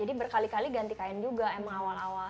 jadi berkali kali ganti kain juga emang awal awal